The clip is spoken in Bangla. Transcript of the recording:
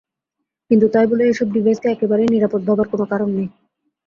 কিন্তু তাই বলে এসব ডিভাইসকে একেবারেই নিরাপদ ভাবার কোনো কারণ নেই।